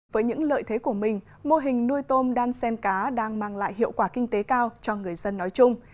với những lợi thế của mình mô hình nuôi tôm đan sen cá đang mang lại hiệu quả kinh tế cao cho người dân nói chung